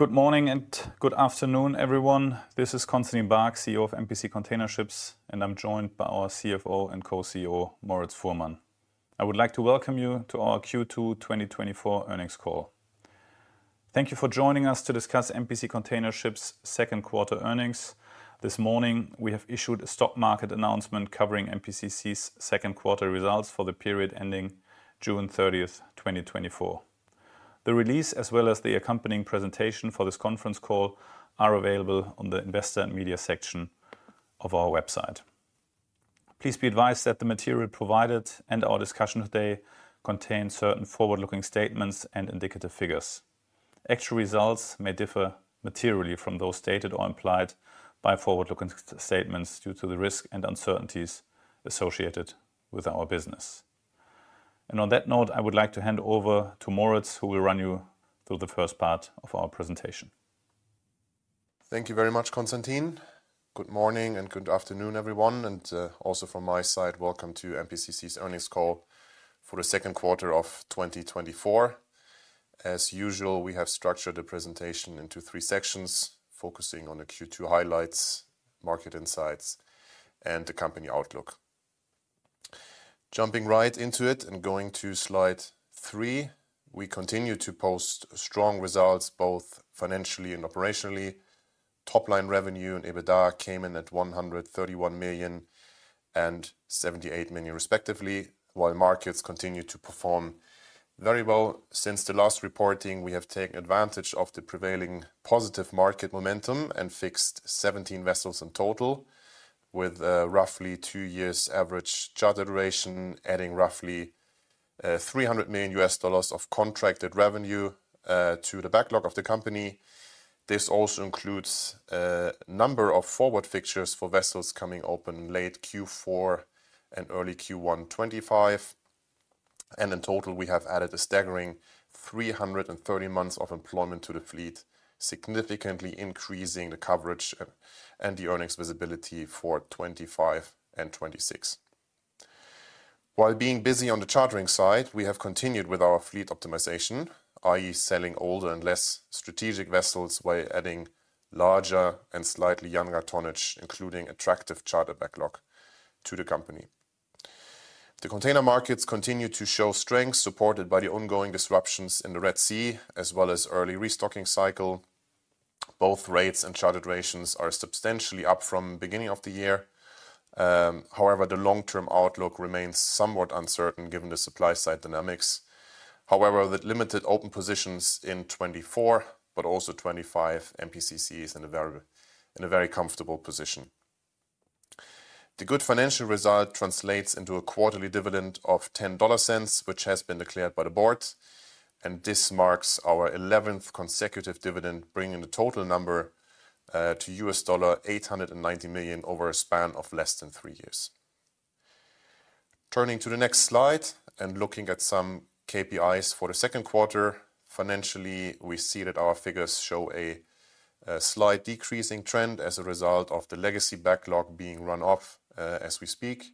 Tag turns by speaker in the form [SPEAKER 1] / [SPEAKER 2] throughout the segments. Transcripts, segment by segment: [SPEAKER 1] Good morning and good afternoon, everyone. This is Constantin Baack, CEO of MPC Container Ships, and I'm joined by our CFO and co-CEO, Moritz Fuhrmann. I would like to welcome you to our Q2 2024 earnings call. Thank you for joining us to discuss MPC Container Ships' second quarter earnings. This morning, we have issued a stock market announcement covering MPCC's second quarter results for the period ending June 30th, 2024. The release, as well as the accompanying presentation for this conference call, are available on the Investor and Media section of our website. Please be advised that the material provided and our discussion today contain certain forward-looking statements and indicative figures. Actual results may differ materially from those stated or implied by forward-looking statements due to the risks and uncertainties associated with our business. On that note, I would like to hand over to Moritz, who will run you through the first part of our presentation.
[SPEAKER 2] Thank you very much, Constantin. Good morning and good afternoon, everyone, and also from my side, welcome to MPCC's earnings call for the second quarter of 2024. As usual, we have structured the presentation into three sections, focusing on the Q2 highlights, market insights, and the company outlook. Jumping right into it and going to slide 3, we continue to post strong results, both financially and operationally. Top-line revenue and EBITDA came in at $131 million and $78 million, respectively, while markets continue to perform very well. Since the last reporting, we have taken advantage of the prevailing positive market momentum and fixed 17 vessels in total, with roughly two years average charter duration, adding roughly $300 million of contracted revenue to the backlog of the company. This also includes a number of forward fixtures for vessels coming open late Q4 and early Q1 2025, and in total, we have added a staggering 330 months of employment to the fleet, significantly increasing the coverage and the earnings visibility for 2025 and 2026. While being busy on the chartering side, we have continued with our fleet optimization, i.e., selling older and less strategic vessels while adding larger and slightly younger tonnage, including attractive charter backlog to the company. The container markets continue to show strength, supported by the ongoing disruptions in the Red Sea, as well as early restocking cycle. Both rates and charter durations are substantially up from beginning of the year. However, the long-term outlook remains somewhat uncertain, given the supply-side dynamics. However, with limited open positions in 2024, but also 2025, MPCC is in a very comfortable position. The good financial result translates into a quarterly dividend of $0.10, which has been declared by the Board, and this marks our 11th consecutive dividend, bringing the total number to $890 million over a span of less than three years. Turning to the next slide and looking at some KPIs for the second quarter, financially, we see that our figures show a slight decreasing trend as a result of the legacy backlog being run off as we speak.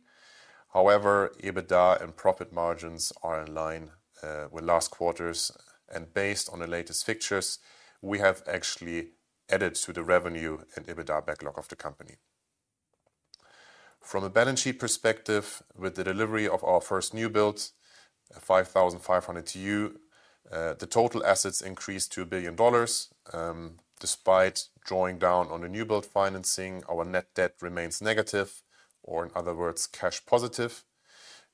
[SPEAKER 2] However, EBITDA and profit margins are in line with last quarter's, and based on the latest fixtures, we have actually added to the revenue and EBITDA backlog of the company. From a balance sheet perspective, with the delivery of our first newbuild, a 5,500 TEU, the total assets increased to $1 billion. Despite drawing down on the newbuild financing, our net debt remains negative, or in other words, cash positive,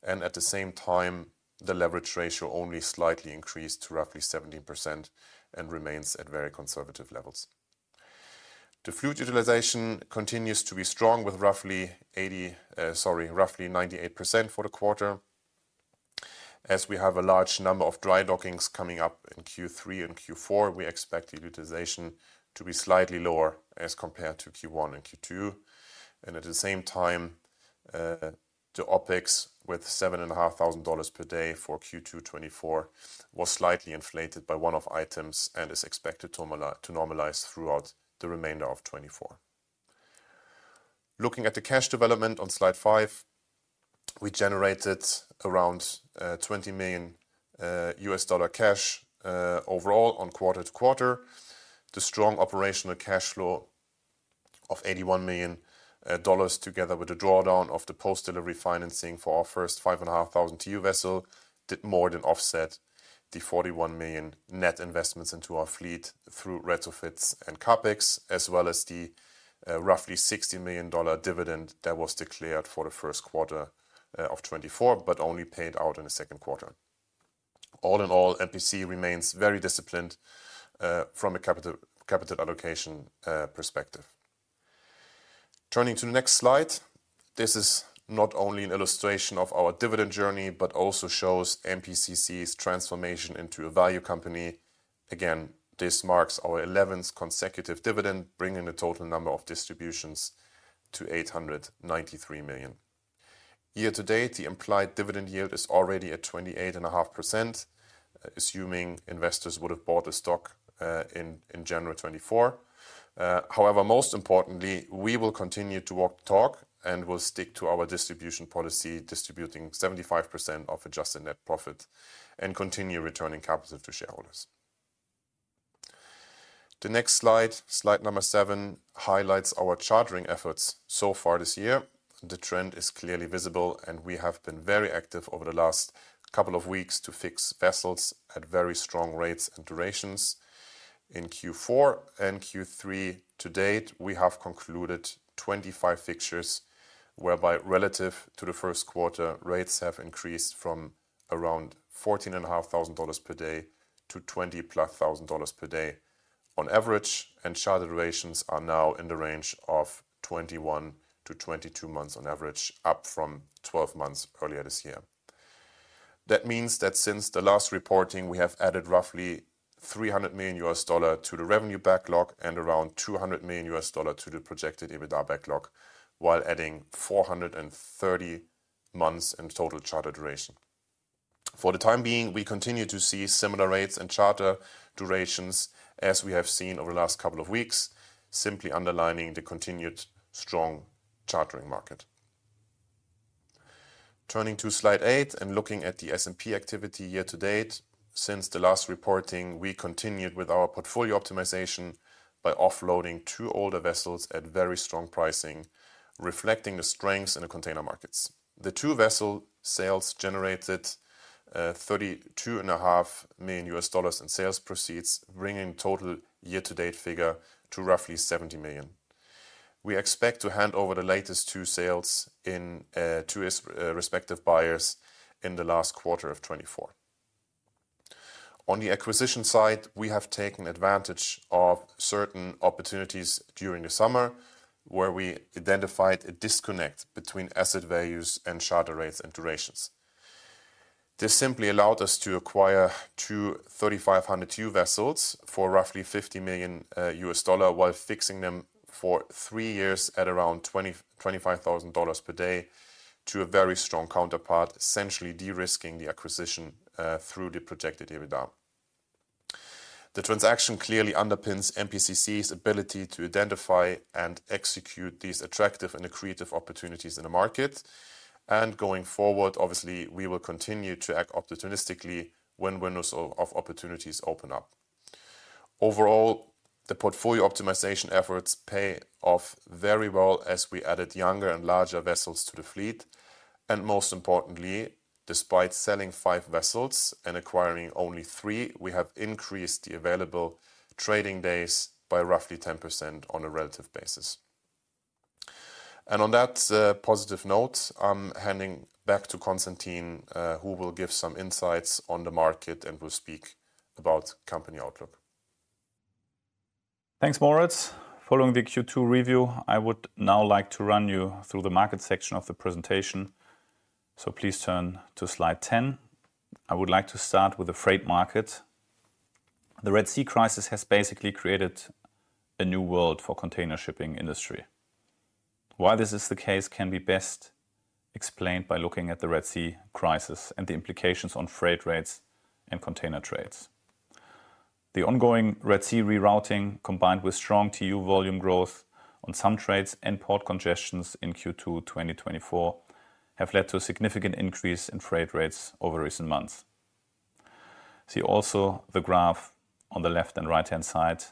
[SPEAKER 2] and at the same time, the leverage ratio only slightly increased to roughly 17% and remains at very conservative levels. The fleet utilization continues to be strong, with roughly 98% for the quarter. As we have a large number of dry dockings coming up in Q3 and Q4, we expect the utilization to be slightly lower as compared to Q1 and Q2, and at the same time, the OpEx, with $7,500 per day for Q2 2024, was slightly inflated by one-off items and is expected to normalize throughout the remainder of 2024. Looking at the cash development on slide five, we generated around $20 million cash overall on quarter to quarter. The strong operational cash flow of $81 million, together with the drawdown of the post-delivery financing for our first 5,500 TEU vessel, did more than offset the $41 million net investments into our fleet through retrofits and CapEx, as well as the roughly $60 million dividend that was declared for the first quarter of 2024, but only paid out in the second quarter. All in all, MPC remains very disciplined from a capital allocation perspective. Turning to the next slide, this is not only an illustration of our dividend journey, but also shows MPCC's transformation into a value company. Again, this marks our eleventh consecutive dividend, bringing the total number of distributions to $893 million. Year to date, the implied dividend yield is already at 28.5%, assuming investors would have bought the stock in January 2024. However, most importantly, we will continue to walk the talk and will stick to our distribution policy, distributing 75% of adjusted net profit and continue returning capital to shareholders. The next slide, slide number seven, highlights our chartering efforts so far this year. The trend is clearly visible, and we have been very active over the last couple of weeks to fix vessels at very strong rates and durations. In Q4 and Q3 to date, we have concluded 25 fixtures, whereby relative to the first quarter, rates have increased from around $14,500 per day to $20,000+ per day on average, and charter durations are now in the range of 21-22 months on average, up from 12 months earlier this year. That means that since the last reporting, we have added roughly $300 million to the revenue backlog and around $200 million to the projected EBITDA backlog, while adding 430 months in total charter duration. For the time being, we continue to see similar rates and charter durations as we have seen over the last couple of weeks, simply underlining the continued strong chartering market. Turning to slide 8 and looking at the S&P activity year to date. Since the last reporting, we continued with our portfolio optimization by offloading two older vessels at very strong pricing, reflecting the strengths in the container markets. The two vessel sales generated $32.5 million in sales proceeds, bringing total year-to-date figure to roughly $70 million. We expect to hand over the latest two sales to its respective buyers in the last quarter of 2024. On the acquisition side, we have taken advantage of certain opportunities during the summer, where we identified a disconnect between asset values and charter rates and durations. This simply allowed us to acquire two 3,500 TEU vessels for roughly $50 million, while fixing them for three years at around $25,000 per day to a very strong counterpart, essentially de-risking the acquisition through the projected EBITDA. The transaction clearly underpins MPCC's ability to identify and execute these attractive and accretive opportunities in the market. And going forward, obviously, we will continue to act opportunistically when windows of opportunities open up. Overall, the portfolio optimization efforts pay off very well as we added younger and larger vessels to the fleet. And most importantly, despite selling five vessels and acquiring only three, we have increased the available trading days by roughly 10% on a relative basis. And on that positive note, I'm handing back to Constantin, who will give some insights on the market and will speak about company outlook.
[SPEAKER 1] Thanks, Moritz. Following the Q2 review, I would now like to run you through the market section of the presentation. So please turn to slide 10. I would like to start with the freight market. The Red Sea crisis has basically created a new world for container shipping industry. Why this is the case can be best explained by looking at the Red Sea crisis and the implications on freight rates and container trades. The ongoing Red Sea rerouting, combined with strong TEU volume growth on some trades and port congestions in Q2 2024, have led to a significant increase in freight rates over recent months. See also the graph on the left and right-hand side,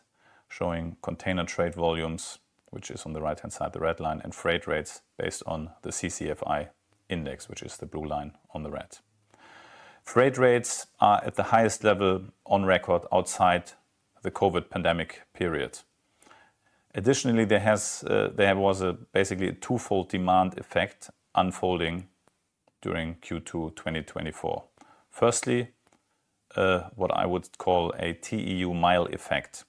[SPEAKER 1] showing container trade volumes, which is on the right-hand side, the red line, and freight rates based on the CCFI index, which is the blue line on the right. Freight rates are at the highest level on record outside the COVID pandemic period. Additionally, there was basically a twofold demand effect unfolding during Q2 2024. Firstly, what I would call a TEU mile effect.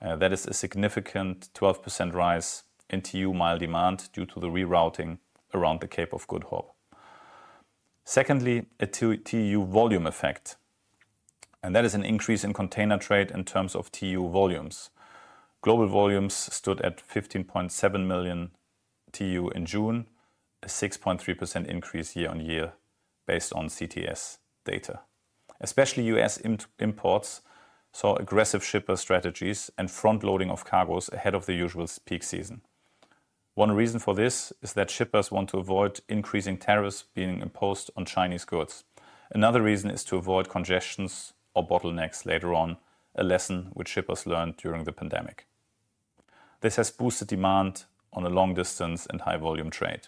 [SPEAKER 1] That is a significant 12% rise in TEU mile demand due to the rerouting around the Cape of Good Hope. Secondly, a TEU volume effect, and that is an increase in container trade in terms of TEU volumes. Global volumes stood at 15.7 million TEU in June, a 6.3% increase year on year based on CTS data. Especially U.S. imports saw aggressive shipper strategies and front-loading of cargoes ahead of the usual peak season. One reason for this is that shippers want to avoid increasing tariffs being imposed on Chinese goods. Another reason is to avoid congestions or bottlenecks later on, a lesson which shippers learned during the pandemic. This has boosted demand on a long distance and high volume trade.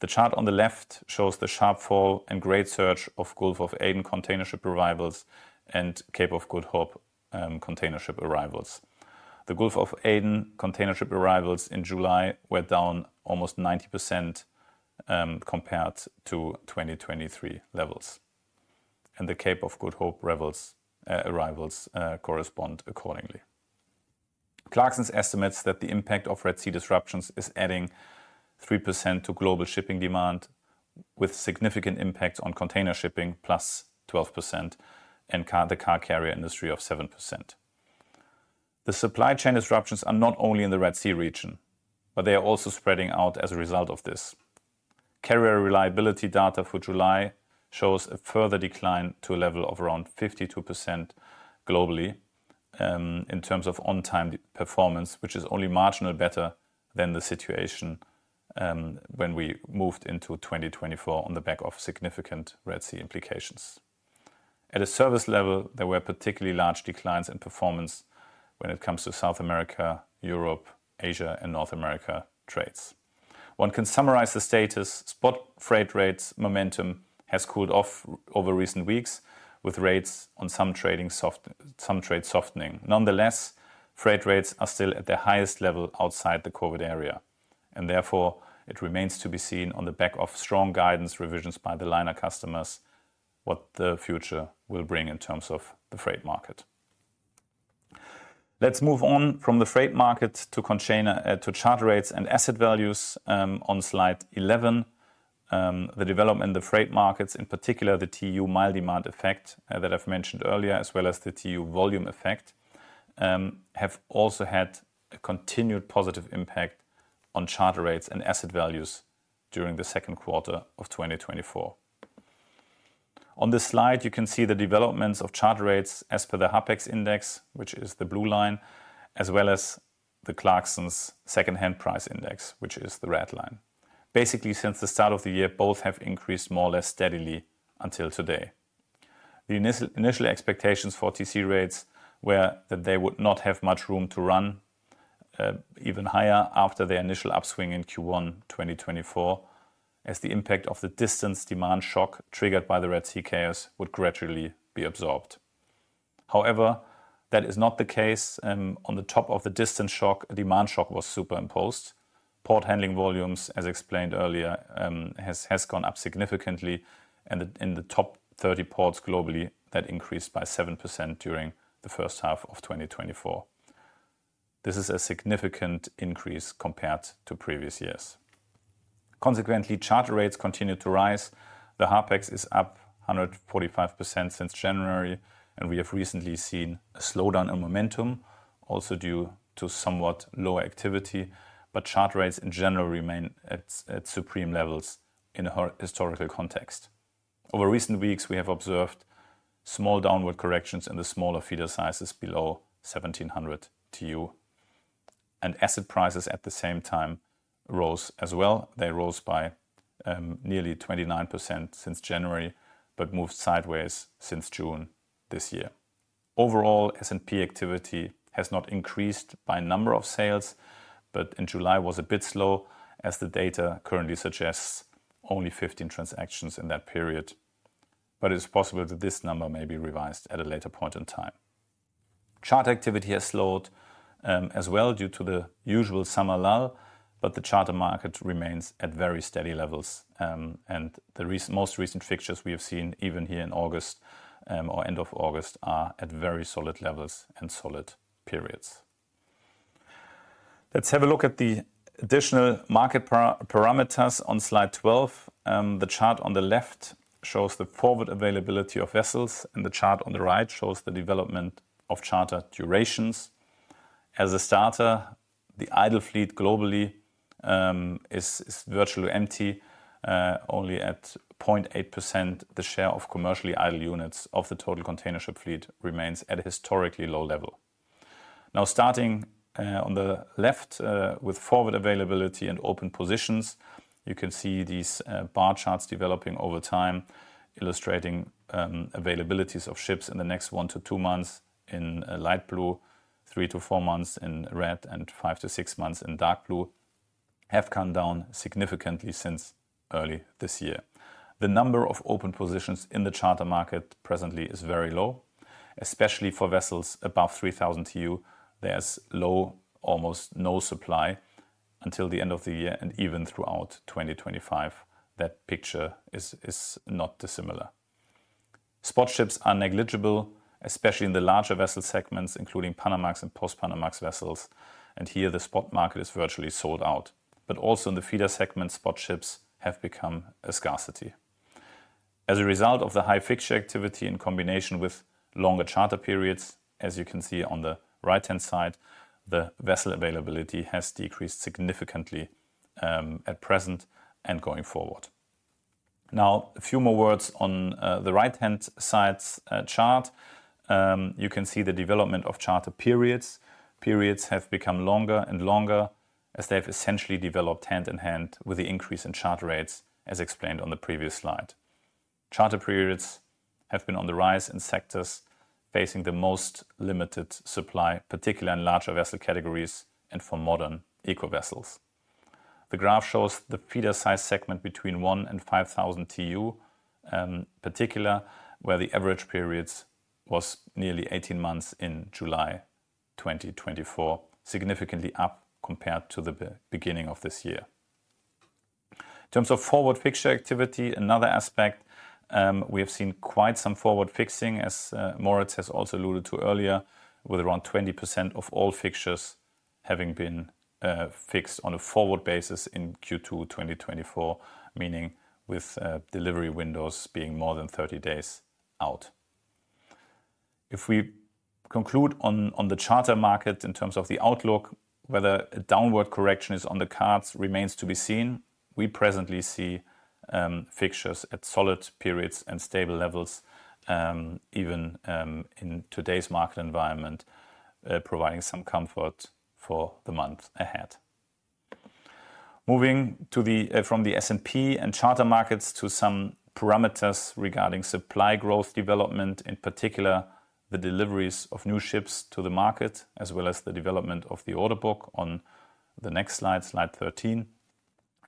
[SPEAKER 1] The chart on the left shows the sharp fall and great surge of Gulf of Aden container ship arrivals and Cape of Good Hope container ship arrivals. The Gulf of Aden container ship arrivals in July were down almost 90%, compared to 2023 levels, and the Cape of Good Hope levels arrivals correspond accordingly. Clarksons estimates that the impact of Red Sea disruptions is adding 3% to global shipping demand, with significant impacts on container shipping, +12%, and the car carrier industry of 7%. The supply chain disruptions are not only in the Red Sea region, but they are also spreading out as a result of this. Carrier reliability data for July shows a further decline to a level of around 52% globally, in terms of on-time performance, which is only marginally better than the situation when we moved into 2024 on the back of significant Red Sea implications. At a service level, there were particularly large declines in performance when it comes to South America, Europe, Asia and North America trades. One can summarize the status: spot freight rates momentum has cooled off over recent weeks, with rates on some trades softening. Nonetheless, freight rates are still at their highest level outside the COVID era, and therefore it remains to be seen, on the back of strong guidance revisions by the liner customers, what the future will bring in terms of the freight market. Let's move on from the freight market to container, to charter rates and asset values, on slide 11. The development in the freight markets, in particular, the TEU-mile demand effect, that I've mentioned earlier, as well as the TEU volume effect, have also had a continued positive impact on charter rates and asset values during the second quarter of 2024. On this slide, you can see the developments of charter rates as per the HARPEX index, which is the blue line, as well as the Clarksons Second-hand Price Index, which is the red line. Basically, since the start of the year, both have increased more or less steadily until today. Initial expectations for TC rates were that they would not have much room to run even higher after their initial upswing in Q1 2024, as the impact of the distance demand shock triggered by the Red Sea chaos would gradually be absorbed. However, that is not the case. On the top of the distance shock, a demand shock was superimposed. Port handling volumes, as explained earlier, has gone up significantly, and in the top 30 ports globally, that increased by 7% during the first half of 2024. This is a significant increase compared to previous years. Consequently, charter rates continued to rise. The HARPEX is up 145% since January, and we have recently seen a slowdown in momentum, also due to somewhat lower activity, but charter rates in general remain at supreme levels in a historical context. Over recent weeks, we have observed small downward corrections in the smaller feeder sizes below 1,700 TEU, and asset prices at the same time rose as well. They rose by nearly 29% since January, but moved sideways since June this year. Overall, S&P activity has not increased by number of sales, but in July was a bit slow, as the data currently suggests only 15 transactions in that period. But it is possible that this number may be revised at a later point in time. Charter activity has slowed as well, due to the usual summer lull, but the charter market remains at very steady levels, and the most recent fixtures we have seen, even here in August, or end of August, are at very solid levels and solid periods. Let's have a look at the additional market parameters on slide 12. The chart on the left shows the forward availability of vessels, and the chart on the right shows the development of charter durations. As a starter, the idle fleet globally is virtually empty, only at 0.8%. The share of commercially idle units of the total container ship fleet remains at a historically low level. Now, starting on the left with forward availability and open positions, you can see these bar charts developing over time, illustrating availabilities of ships in the next one to two months in light blue, three to four months in red, and five to six months in dark blue, have come down significantly since early this year. The number of open positions in the charter market presently is very low, especially for vessels above 3,000 TEU. There's low, almost no supply, until the end of the year and even throughout 2025. That picture is not dissimilar. Spot ships are negligible, especially in the larger vessel segments, including Panamax and Post-Panamax vessels, and here the spot market is virtually sold out. But also in the feeder segment, spot ships have become a scarcity. As a result of the high fixture activity in combination with longer charter periods, as you can see on the right-hand side, the vessel availability has decreased significantly at present and going forward. Now, a few more words on the right-hand side's chart. You can see the development of charter periods. Periods have become longer and longer, as they've essentially developed hand in hand with the increase in charter rates, as explained on the previous slide. Charter periods have been on the rise in sectors facing the most limited supply, particularly in larger vessel categories and for modern eco vessels. The graph shows the feeder size segment between 1,000 TEU and 5,000 TEU, particularly, where the average periods was nearly 18 months in July 2024, significantly up compared to the beginning of this year. In terms of forward fixture activity, another aspect, we have seen quite some forward fixing, as Moritz has also alluded to earlier, with around 20% of all fixtures having been fixed on a forward basis in Q2 2024. Meaning with delivery windows being more than 30 days out. If we conclude on the charter market in terms of the outlook, whether a downward correction is on the cards remains to be seen. We presently see fixtures at solid periods and stable levels, even in today's market environment, providing some comfort for the months ahead. Moving from the S&P and charter markets to some parameters regarding supply growth development, in particular, the deliveries of new ships to the market, as well as the development of the order book on the next slide, slide 13.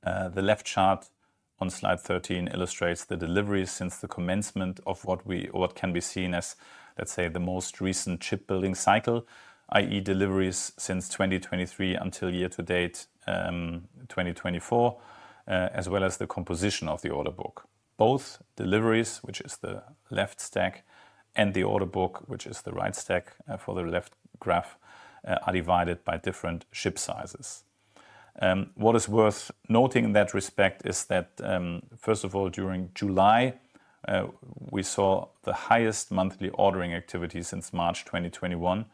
[SPEAKER 1] The left chart on slide 13 illustrates the deliveries since the commencement of what can be seen as, let's say, the most recent shipbuilding cycle, i.e., deliveries since 2023 until year to date 2024, as well as the composition of the order book. Both deliveries, which is the left stack, and the order book, which is the right stack, for the left graph, are divided by different ship sizes. What is worth noting in that respect is that, first of all, during July, we saw the highest monthly ordering activity since March 2021,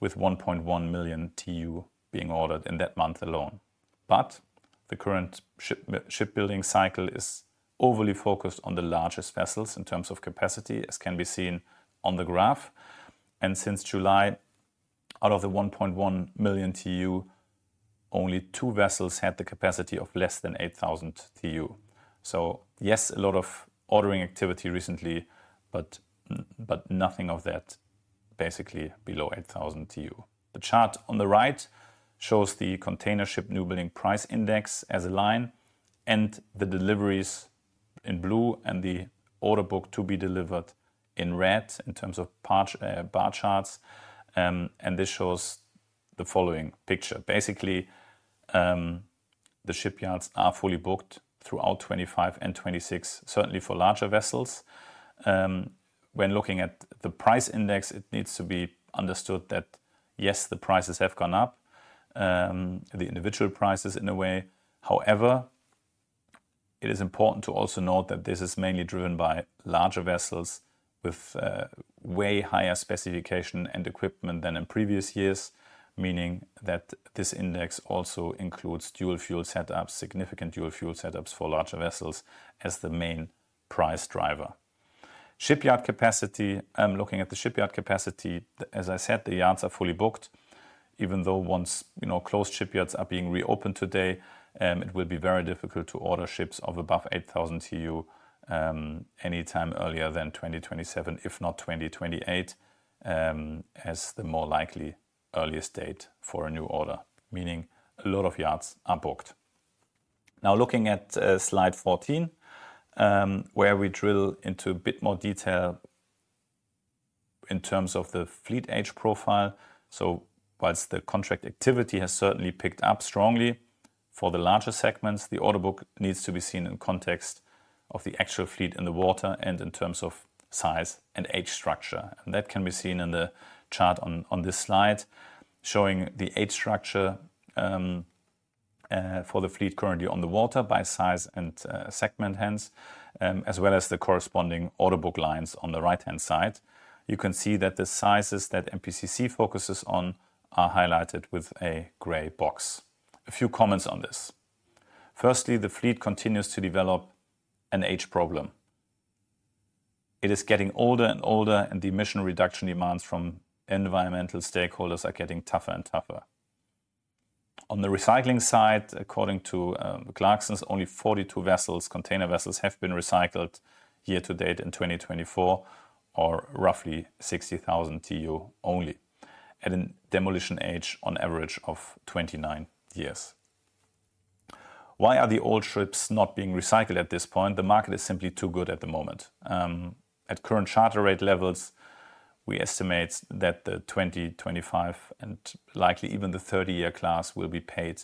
[SPEAKER 1] with 1.1 million TEU being ordered in that month alone. But the current shipbuilding cycle is overly focused on the largest vessels in terms of capacity, as can be seen on the graph. And since July, out of the 1.1 million TEU, only two vessels had the capacity of less than 8,000 TEU. So yes, a lot of ordering activity recently, but nothing of that basically below 8,000 TEU. The chart on the right shows the Container Ship Newbuilding Price Index as a line, and the deliveries in blue and the order book to be delivered in red in terms of bar charts. And this shows the following picture. Basically, the shipyards are fully booked throughout 2025 and 2026, certainly for larger vessels. When looking at the price index, it needs to be understood that, yes, the prices have gone up, the individual prices in a way. However, it is important to also note that this is mainly driven by larger vessels with way higher specification and equipment than in previous years. Meaning that this index also includes dual-fuel setups, significant dual-fuel setups for larger vessels, as the main price driver. Shipyard capacity, looking at the shipyard capacity, as I said, the yards are fully booked. Even though once, you know, closed shipyards are being reopened today, it will be very difficult to order ships of above 8,000 TEU anytime earlier than 2027, if not 2028, as the more likely earliest date for a new order, meaning a lot of yards are booked. Now, looking at slide 14, where we drill into a bit more detail in terms of the fleet age profile, so while the contract activity has certainly picked up strongly for the larger segments, the order book needs to be seen in context of the actual fleet in the water and in terms of size and age structure. That can be seen in the chart on this slide, showing the age structure for the fleet currently on the water by size and segment, as well as the corresponding order book lines on the right-hand side. You can see that the sizes that MPCC focuses on are highlighted with a gray box. A few comments on this: firstly, the fleet continues to develop an age problem. It is getting older and older, and the emission reduction demands from environmental stakeholders are getting tougher and tougher. On the recycling side, according to Clarksons, only 42 vessels, container vessels, have been recycled year to date in 2024, or roughly 60,000 TEU only, at a demolition age on average of 29 years. Why are the old ships not being recycled at this point? The market is simply too good at the moment. At current charter rate levels, we estimate that the 20, 25, and likely even the 30-year class, will be paid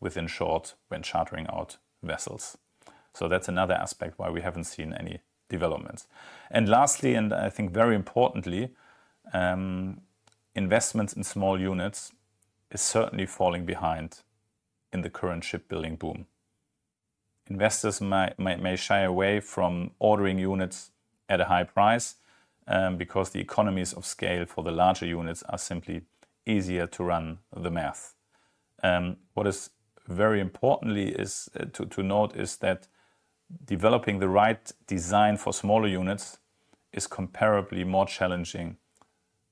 [SPEAKER 1] within short when chartering out vessels. So that's another aspect why we haven't seen any developments. And lastly, and I think very importantly, investment in small units is certainly falling behind in the current shipbuilding boom. Investors might, may shy away from ordering units at a high price, because the economies of scale for the larger units are simply easier to run the math. What is very importantly is to note is that developing the right design for smaller units is comparably more challenging,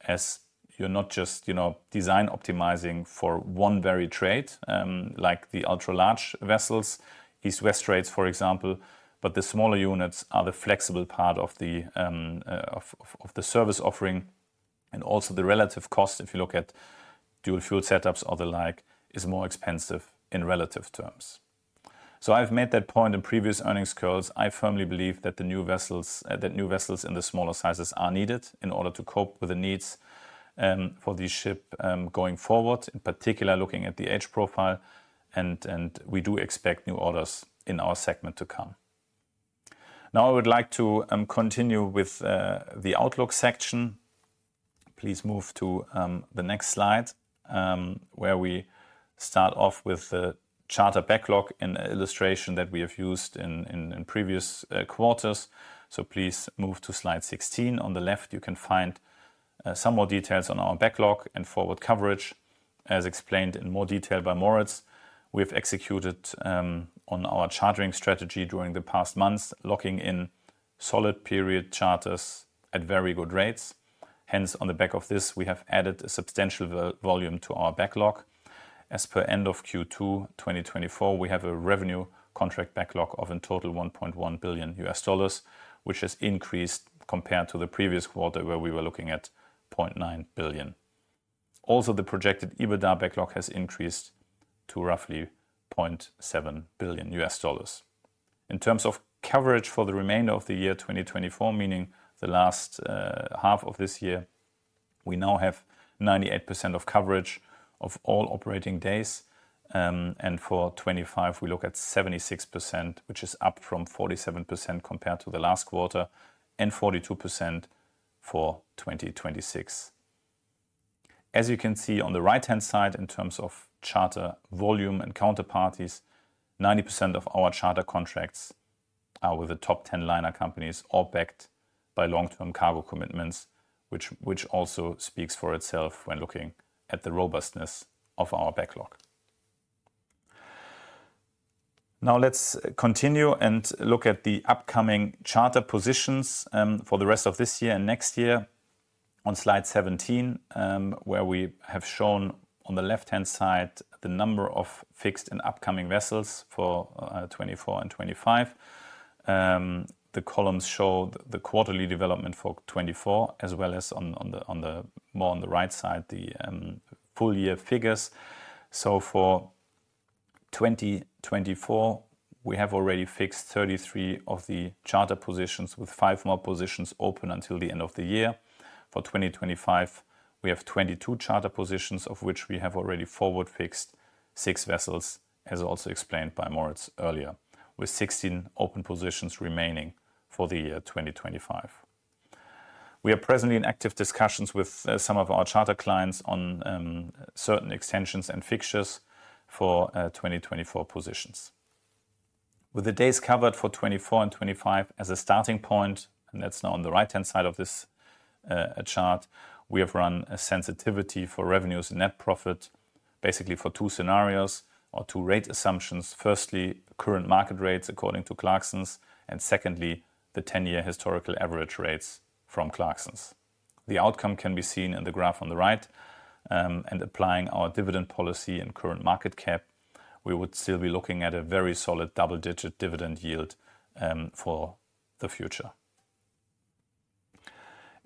[SPEAKER 1] as you're not just, you know, design optimizing for one very trade, like the ultra-large vessels, east-west trades, for example, but the smaller units are the flexible part of the service offering. And also the relative cost, if you look at dual-fuel setups or the like, is more expensive in relative terms. So I've made that point in previous earnings calls. I firmly believe that the new vessels in the smaller sizes are needed in order to cope with the needs for these ships going forward, in particular, looking at the age profile, and we do expect new orders in our segment to come. Now, I would like to continue with the outlook section. Please move to the next slide, where we start off with the charter backlog and the illustration that we have used in previous quarters. So please move to slide 16. On the left, you can find some more details on our backlog and forward coverage. As explained in more detail by Moritz, we have executed on our chartering strategy during the past months, locking in solid period charters at very good rates. Hence, on the back of this, we have added a substantial volume to our backlog. As per end of Q2 2024, we have a revenue contract backlog of in total $1.1 billion, which has increased compared to the previous quarter, where we were looking at $0.9 billion. Also, the projected EBITDA backlog has increased to roughly $0.7 billion. In terms of coverage for the remainder of the year 2024, meaning the last half of this year, we now have 98% of coverage of all operating days. And for 2025, we look at 76%, which is up from 47% compared to the last quarter, and 42% for 2026. As you can see on the right-hand side, in terms of charter volume and counterparties, 90% of our charter contracts are with the top 10 liner companies, all backed by long-term cargo commitments, which also speaks for itself when looking at the robustness of our backlog. Now, let's continue and look at the upcoming charter positions for the rest of this year and next year on slide 17, where we have shown on the left-hand side, the number of fixed and upcoming vessels for 2024 and 2025. The columns show the quarterly development for 2024, as well as more on the right side, the full year figures. For 2024, we have already fixed 33 of the charter positions, with five more positions open until the end of the year. For 2025, we have 22 charter positions, of which we have already forward-fixed six vessels, as also explained by Moritz earlier, with 16 open positions remaining for the year 2025. We are presently in active discussions with some of our charter clients on certain extensions and fixtures for 2024 positions. With the days covered for 2024 and 2025 as a starting point, and that's now on the right-hand side of this chart, we have run a sensitivity for revenues and net profit, basically for two scenarios or two rate assumptions. Firstly, current market rates according to Clarksons, and secondly, the 10-year historical average rates from Clarksons. The outcome can be seen in the graph on the right. And applying our dividend policy and current market cap, we would still be looking at a very solid double-digit dividend yield, for the future.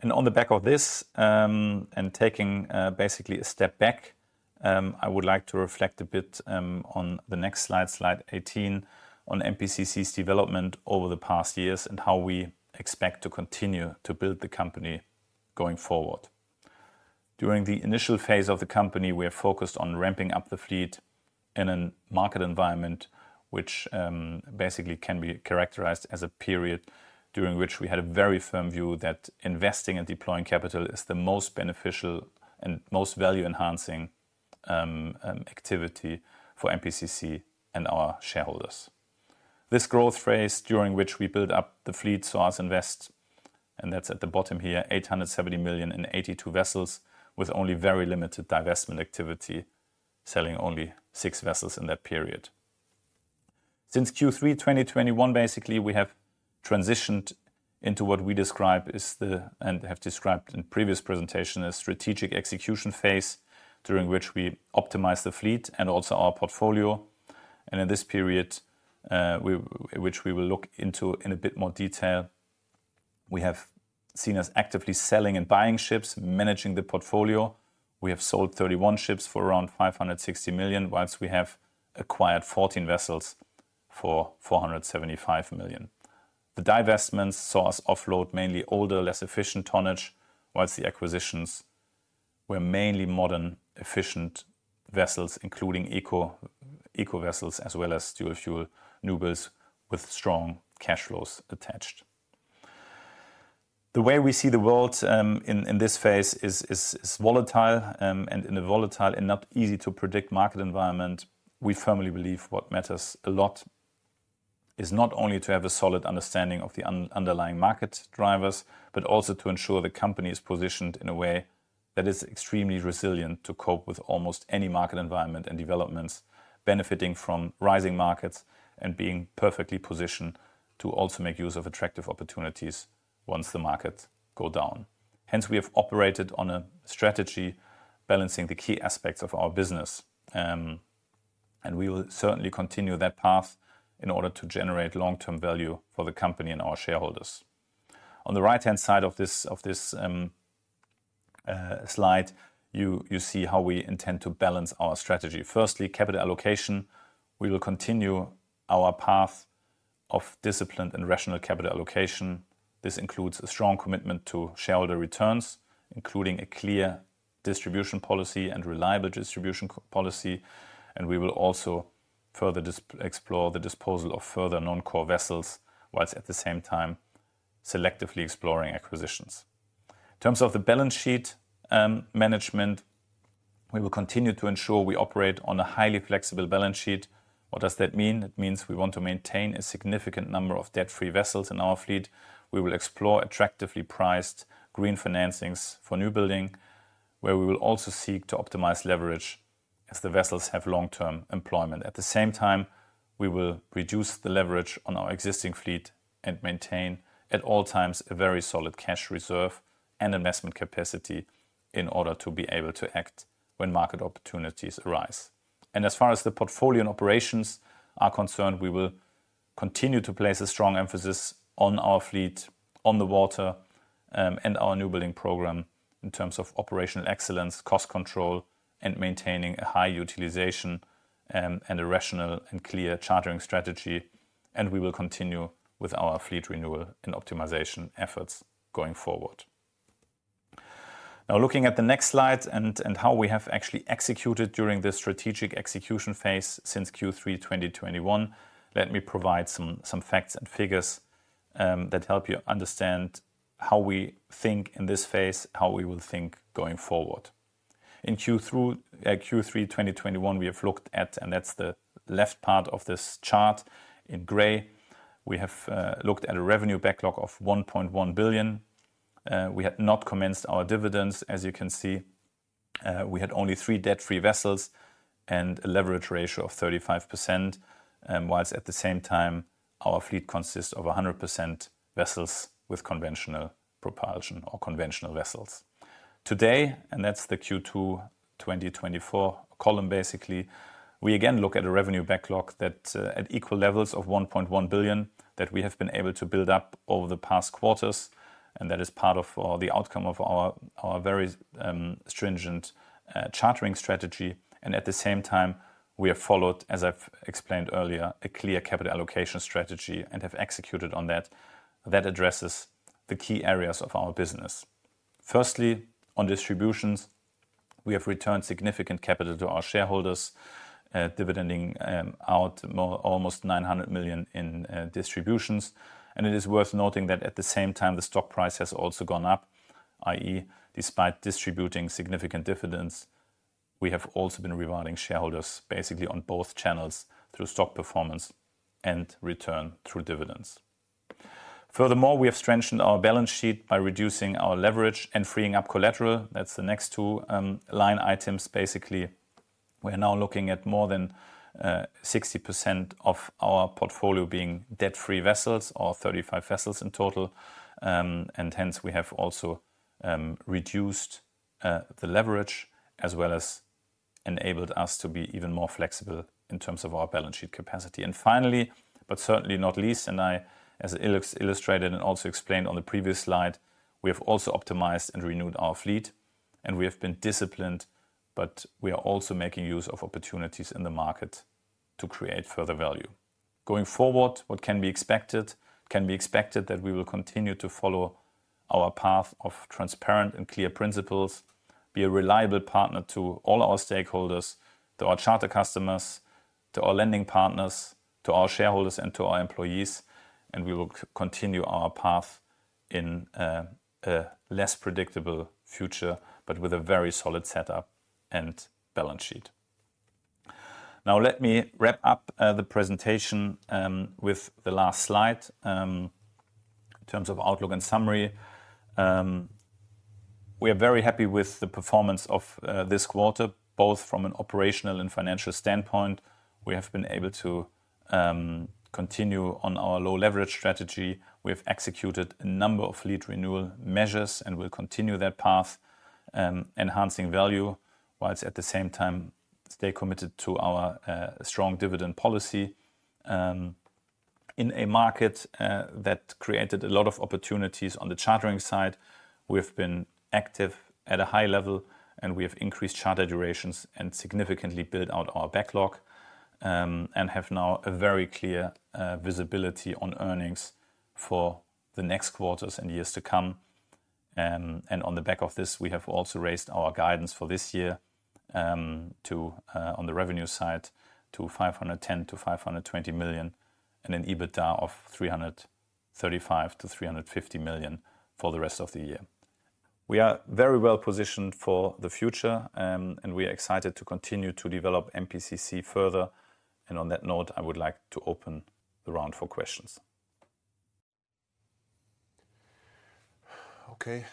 [SPEAKER 1] And on the back of this, and taking, basically a step back, I would like to reflect a bit, on the next slide, slide eighteen, on MPCC's development over the past years, and how we expect to continue to build the company going forward. During the initial phase of the company, we are focused on ramping up the fleet in a market environment, which, basically can be characterized as a period during which we had a very firm view that investing and deploying capital is the most beneficial and most value-enhancing, activity for MPCC and our shareholders. This growth phase, during which we built up the fleet, saw us invest, and that's at the bottom here, $870 million in 82 vessels, with only very limited divestment activity, selling only six vessels in that period. Since Q3 2021, basically, we have transitioned into what we describe as the, and have described in previous presentation, a strategic execution phase, during which we optimize the fleet and also our portfolio. And in this period, which we will look into in a bit more detail, we have seen us actively selling and buying ships, managing the portfolio. We have sold 31 ships for around $560 million, while we have acquired 14 vessels for $475 million. The divestments saw us offload mainly older, less efficient tonnage, while the acquisitions were mainly modern, efficient vessels, including eco vessels, as well as dual fuel newbuilds with strong cash flows attached. The way we see the world in this phase is volatile and in a volatile and not easy to predict market environment, we firmly believe what matters a lot is not only to have a solid understanding of the underlying market drivers, but also to ensure the company is positioned in a way that is extremely resilient to cope with almost any market environment and developments, benefiting from rising markets and being perfectly positioned to also make use of attractive opportunities once the markets go down. Hence, we have operated on a strategy balancing the key aspects of our business, and we will certainly continue that path in order to generate long-term value for the company and our shareholders. On the right-hand side of this slide, you see how we intend to balance our strategy. Firstly, capital allocation. We will continue our path of disciplined and rational capital allocation. This includes a strong commitment to shareholder returns, including a clear distribution policy and reliable distribution policy, and we will also further explore the disposal of further non-core vessels, while at the same time, selectively exploring acquisitions. In terms of the balance sheet management, we will continue to ensure we operate on a highly flexible balance sheet. What does that mean? It means we want to maintain a significant number of debt-free vessels in our fleet. We will explore attractively priced green financings for new building, where we will also seek to optimize leverage as the vessels have long-term employment. At the same time, we will reduce the leverage on our existing fleet and maintain, at all times, a very solid cash reserve and investment capacity in order to be able to act when market opportunities arise, and as far as the portfolio and operations are concerned, we will continue to place a strong emphasis on our fleet, on the water, and our new building program in terms of operational excellence, cost control, and maintaining a high utilization, and a rational and clear chartering strategy, and we will continue with our fleet renewal and optimization efforts going forward. Now, looking at the next slide and how we have actually executed during this strategic execution phase since Q3 2021, let me provide some facts and figures that help you understand how we think in this phase, how we will think going forward. In Q2, Q3 2021, we have looked at, and that's the left part of this chart in gray, we have looked at a revenue backlog of $1.1 billion. We had not commenced our dividends, as you can see. We had only three debt-free vessels and a leverage ratio of 35%, whilst at the same time, our fleet consists of 100% vessels with conventional propulsion or conventional vessels. Today, and that's the Q2 2024 column, basically, we again look at a revenue backlog that, at equal levels of $1.1 billion, that we have been able to build up over the past quarters, and that is part of, the outcome of our very stringent chartering strategy. And at the same time, we have followed, as I've explained earlier, a clear capital allocation strategy and have executed on that. That addresses the key areas of our business. Firstly, on distributions, we have returned significant capital to our shareholders, dividending out almost $900 million in distributions. And it is worth noting that at the same time, the stock price has also gone up, i.e., despite distributing significant dividends, we have also been rewarding shareholders basically on both channels: through stock performance and return through dividends. Furthermore, we have strengthened our balance sheet by reducing our leverage and freeing up collateral. That's the next two line items. Basically, we're now looking at more than 60% of our portfolio being debt-free vessels or 35 vessels in total. And hence, we have also reduced the leverage, as well as enabled us to be even more flexible in terms of our balance sheet capacity. And finally, but certainly not least, and I, as illustrated and also explained on the previous slide, we have also optimized and renewed our fleet, and we have been disciplined, but we are also making use of opportunities in the market to create further value. Going forward, what can be expected? It can be expected that we will continue to follow our path of transparent and clear principles, be a reliable partner to all our stakeholders, to our charter customers, to our lending partners, to our shareholders, and to our employees, and we will continue our path in a less predictable future, but with a very solid setup and balance sheet. Now, let me wrap up the presentation with the last slide. In terms of outlook and summary, we are very happy with the performance of this quarter, both from an operational and financial standpoint. We have been able to continue on our low leverage strategy. We've executed a number of fleet renewal measures, and we'll continue that path, enhancing value, whilst at the same time, stay committed to our strong dividend policy. In a market that created a lot of opportunities on the chartering side, we've been active at a high level, and we have increased charter durations and significantly built out our backlog, and have now a very clear visibility on earnings for the next quarters and years to come. And on the back of this, we have also raised our guidance for this year, to, on the revenue side, to $510 million-$520 million, and an EBITDA of $335 million-$350 million for the rest of the year. We are very well positioned for the future, and we are excited to continue to develop MPCC further. And on that note, I would like to open the round for questions.
[SPEAKER 2] Okay.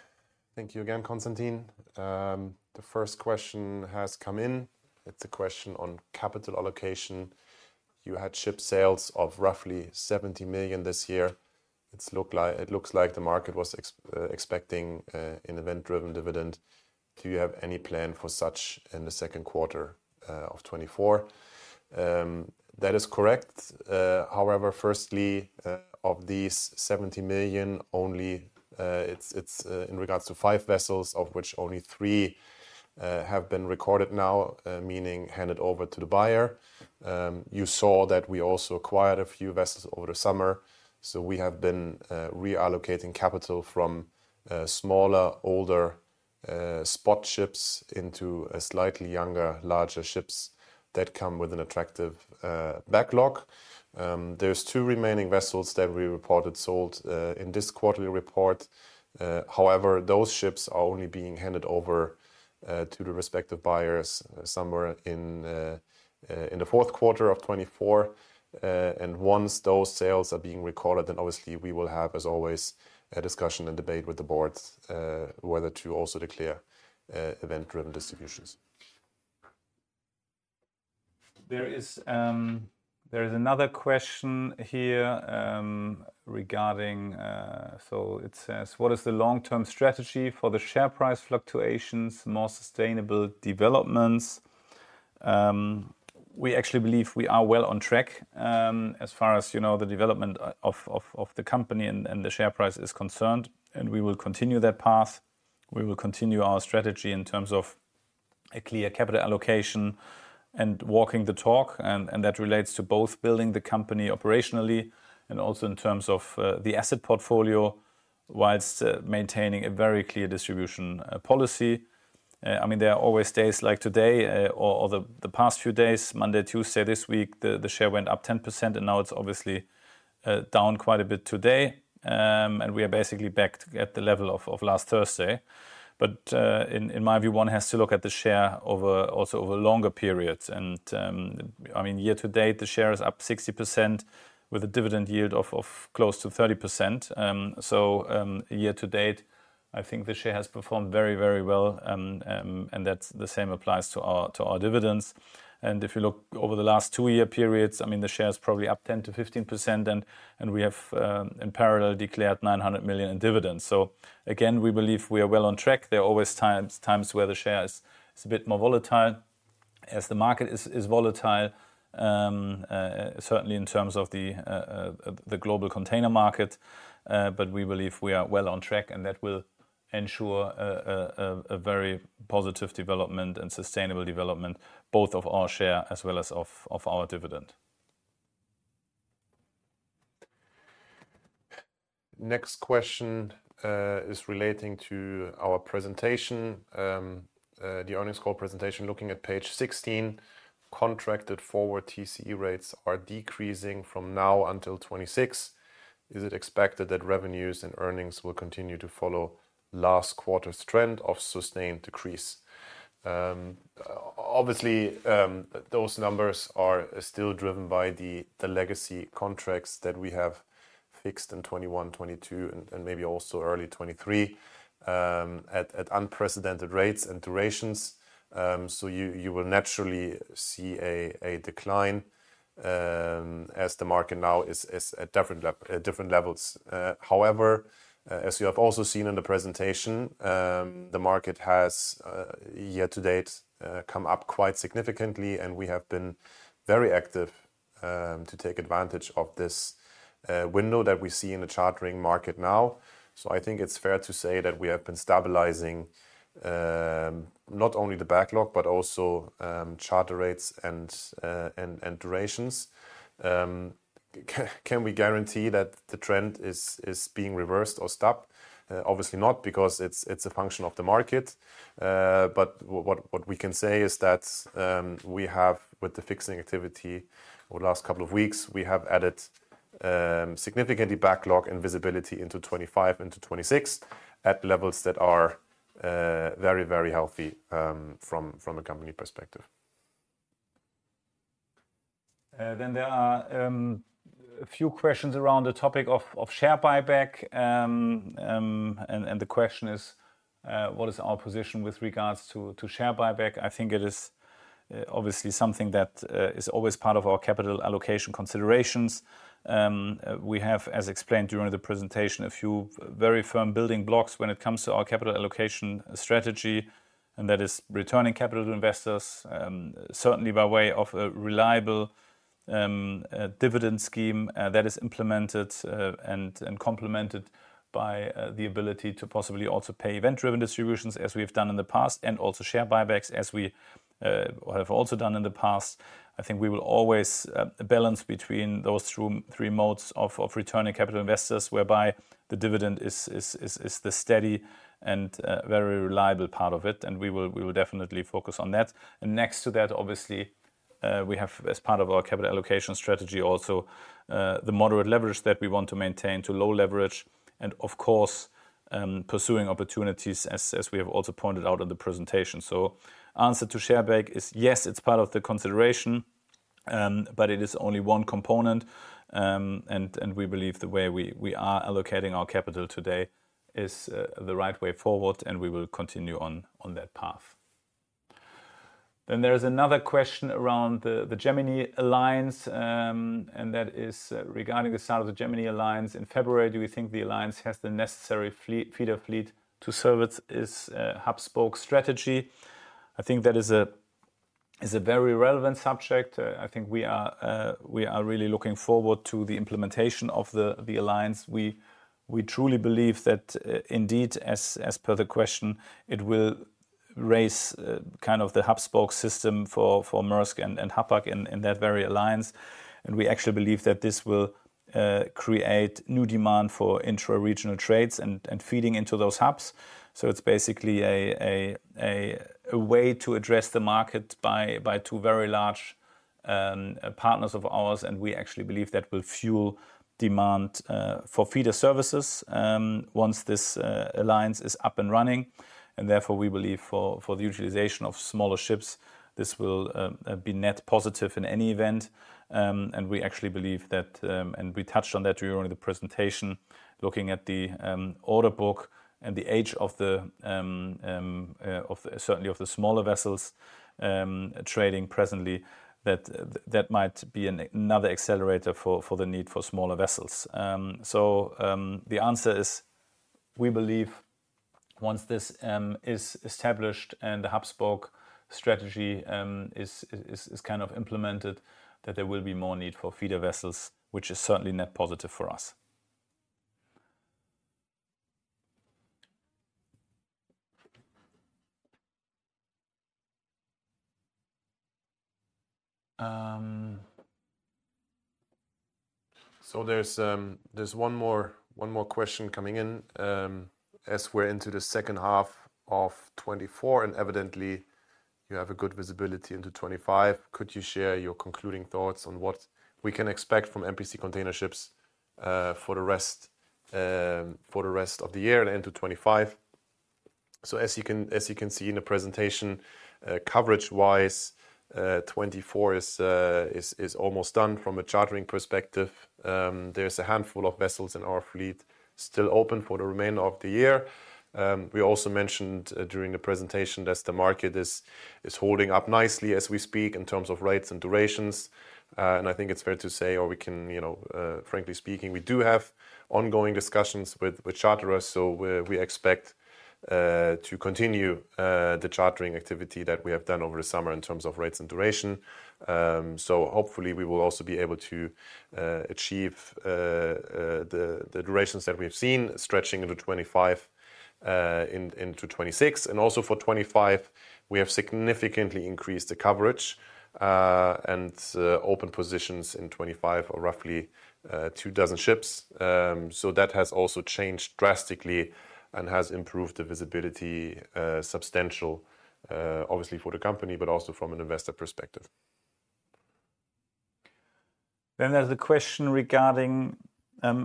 [SPEAKER 2] Thank you again, Constantin. The first question has come in. It's a question on capital allocation. You had ship sales of roughly $70 million this year. It looks like the market was expecting an event-driven dividend. Do you have any plan for such in the second quarter of 2024? That is correct. However, firstly, of these $70 million, only it's in regards to five vessels, of which only three have been recorded now, meaning handed over to the buyer. You saw that we also acquired a few vessels over the summer, so we have been reallocating capital from smaller, older spot ships into a slightly younger, larger ships that come with an attractive backlog. There's two remaining vessels that we reported sold in this quarterly report. However, those ships are only being handed over to the respective buyers somewhere in the fourth quarter of 2024, and once those sales are being recorded, then obviously we will have, as always, a discussion and debate with the Board whether to also declare event-driven distributions.
[SPEAKER 1] There is another question here regarding. So it says: "What is the long-term strategy for the share price fluctuations, more sustainable developments?" We actually believe we are well on track as far as, you know, the development of the company and the share price is concerned, and we will continue that path. We will continue our strategy in terms of a clear capital allocation and walking the talk, and that relates to both building the company operationally and also in terms of the asset portfolio, whilst maintaining a very clear distribution policy. I mean, there are always days like today or the past few days, Monday, Tuesday, this week, the share went up 10%, and now it's obviously down quite a bit today. And we are basically back at the level of last Thursday. But in my view, one has to look at the share over, also over longer periods. And I mean, year to date, the share is up 60%, with a dividend yield of close to 30%. So year to date, I think the share has performed very, very well. And that's the same applies to our dividends. And if you look over the last two-year periods, I mean, the share is probably up 10%-15%, and we have, in parallel, declared $900 million in dividends. So again, we believe we are well on track. There are always times where the share is a bit more volatile, as the market is volatile, certainly in terms of the global container market. But we believe we are well on track, and that will ensure a very positive development and sustainable development, both of our share as well as of our dividend.
[SPEAKER 2] Next question is relating to our presentation. The earnings call presentation, looking at page 16, contracted forward TCE rates are decreasing from now until 2026. Is it expected that revenues and earnings will continue to follow last quarter's trend of sustained decrease? Obviously, those numbers are still driven by the legacy contracts that we have fixed in 2021, 2022 and maybe also early 2023, at unprecedented rates and durations. So you will naturally see a decline as the market now is at different levels. However, as you have also seen in the presentation, the market has year to date come up quite significantly, and we have been very active to take advantage of this window that we see in the chartering market now. So I think it's fair to say that we have been stabilizing not only the backlog, but also charter rates and durations. Can we guarantee that the trend is being reversed or stopped? Obviously not, because it's a function of the market. But what we can say is that we have, with the fixing activity over the last couple of weeks, added significantly backlog and visibility into 2025 and to 2026, at levels that are very, very healthy from a company perspective.
[SPEAKER 1] Then there are a few questions around the topic of share buyback. The question is: "What is our position with regards to share buyback?" I think it is obviously something that is always part of our capital allocation considerations. We have, as explained during the presentation, a few very firm building blocks when it comes to our capital allocation strategy, and that is returning capital to investors, certainly by way of a reliable dividend scheme that is implemented and complemented by the ability to possibly also pay event-driven distributions, as we have done in the past, and also share buybacks, as we have also done in the past. I think we will always balance between those two, three modes of returning capital investors, whereby the dividend is the steady and very reliable part of it, and we will definitely focus on that. And next to that, obviously, we have, as part of our capital allocation strategy, also the moderate leverage that we want to maintain to low leverage and of course pursuing opportunities as we have also pointed out in the presentation. So answer to share buyback is, yes, it's part of the consideration, but it is only one component. And we believe the way we are allocating our capital today is the right way forward, and we will continue on that path. Then there is another question around the Gemini Alliance, and that is regarding the start of the Gemini Alliance in February: "Do we think the alliance has the necessary fleet, feeder fleet to serve its hub-and-spoke strategy?" I think that is a very relevant subject. I think we are really looking forward to the implementation of the alliance. We truly believe that indeed, as per the question, it will raise kind of the hub-and-spoke system for Maersk and Hapag in that very alliance. And we actually believe that this will create new demand for intra-regional trades and feeding into those hubs. It's basically a way to address the market by two very large partners of ours, and we actually believe that will fuel demand for feeder services once this alliance is up and running. Therefore, we believe for the utilization of smaller ships, this will be net positive in any event. We actually believe that, and we touched on that during the presentation, looking at the order book and the age of the certainly of the smaller vessels trading presently, that might be another accelerator for the need for smaller vessels. So, the answer is, we believe once this is established and the hub-and-spoke strategy is kind of implemented, that there will be more need for feeder vessels, which is certainly net positive for us.
[SPEAKER 2] There's one more question coming in. "As we're into the second half of 2024, and evidently you have a good visibility into 2025, could you share your concluding thoughts on what we can expect from MPC Container Ships for the rest of the year and into 2025?" As you can see in the presentation, coverage-wise, 2024 is almost done from a chartering perspective. There's a handful of vessels in our fleet still open for the remainder of the year. We also mentioned during the presentation that the market is holding up nicely as we speak, in terms of rates and durations. And I think it's fair to say, or we can, you know, frankly speaking, we do have ongoing discussions with charterers. So we expect to continue the chartering activity that we have done over the summer in terms of rates and duration. So hopefully, we will also be able to achieve the durations that we have seen, stretching into 2025, into 2026. And also for 2025, we have significantly increased the coverage, and open positions in 2025 are roughly two dozen ships. So that has also changed drastically and has improved the visibility substantially, obviously for the company, but also from an investor perspective.
[SPEAKER 1] Then there's a question regarding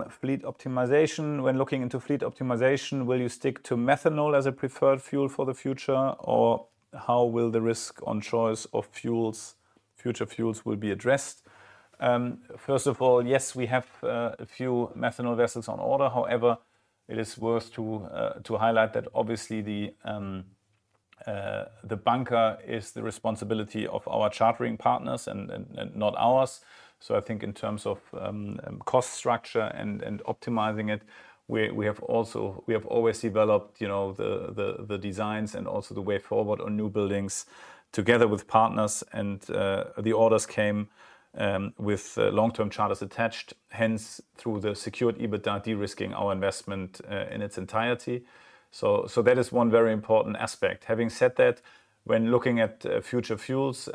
[SPEAKER 1] fleet optimization: "When looking into fleet optimization, will you stick to methanol as a preferred fuel for the future? Or how will the risk on choice of fuels, future fuels, will be addressed?" First of all, yes, we have a few methanol vessels on order. However, it is worth to highlight that obviously, the bunker is the responsibility of our chartering partners, and not ours. So I think in terms of cost structure and optimizing it, we have also. We have always developed, you know, the designs and also the way forward on new buildings together with partners. And the orders came with long-term charters attached, hence, through the secured EBITDA, de-risking our investment in its entirety. So that is one very important aspect. Having said that, when looking at future fuels,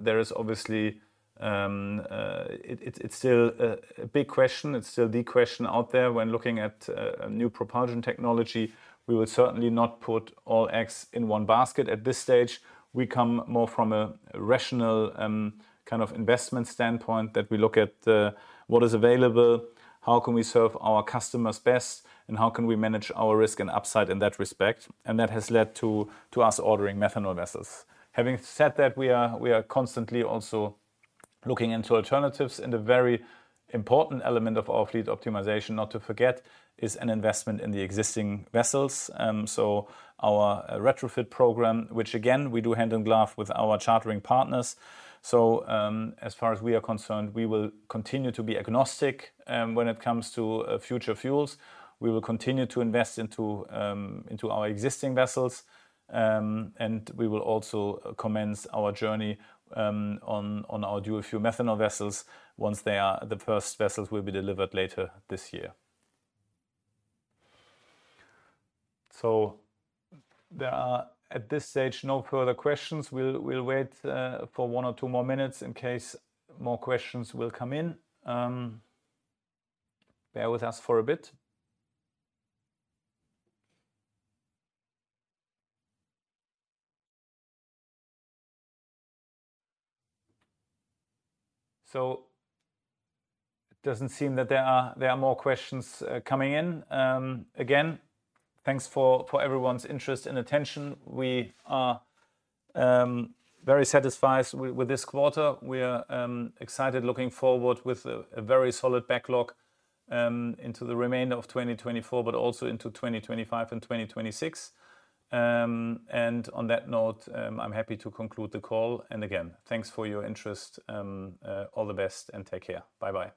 [SPEAKER 1] there is obviously, It's still a big question. It's still the question out there when looking at a new propulsion technology. We will certainly not put all eggs in one basket at this stage. We come more from a rational kind of investment standpoint, that we look at what is available, how can we serve our customers best, and how can we manage our risk and upside in that respect? And that has led to us ordering methanol vessels. Having said that, we are constantly also looking into alternatives, and a very important element of our fleet optimization, not to forget, is an investment in the existing vessels. So our retrofit program, which again, we do hand in glove with our chartering partners. So, as far as we are concerned, we will continue to be agnostic when it comes to future fuels. We will continue to invest into our existing vessels, and we will also commence our journey on our dual-fuel methanol vessels once they are the first vessels will be delivered later this year. So there are, at this stage, no further questions. We'll wait for one or two more minutes in case more questions will come in. Bear with us for a bit. So it doesn't seem that there are more questions coming in. Again, thanks for everyone's interest and attention. We are very satisfied with this quarter. We are excited looking forward with a very solid backlog into the remainder of 2024, but also into 2025 and 2026. And on that note, I'm happy to conclude the call. And again, thanks for your interest. All the best, and take care. Bye-bye.